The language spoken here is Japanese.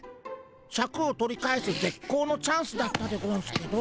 シャクを取り返すぜっこうのチャンスだったでゴンスけど。